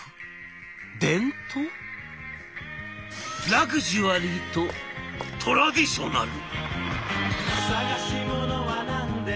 「ラグジュアリーとトラディショナル」。